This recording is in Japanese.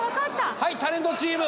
はいタレントチーム！